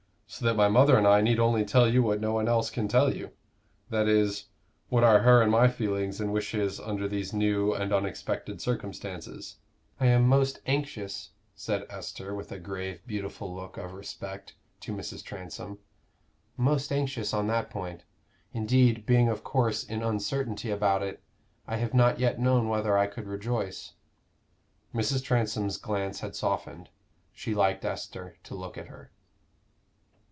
So that my mother and I need only tell you what no one else can tell you that is, what are her and my feelings and wishes under these new and unexpected circumstances." "I am most anxious," said Esther, with a grave beautiful look of respect to Mrs. Transome "most anxious on that point. Indeed, being of course in uncertainty about it, I have not yet known whether I could rejoice." Mrs. Transome's glance had softened. She liked Esther to look at her.